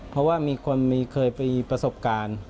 เพราะว่ามีคนเคยมีประสบการณ์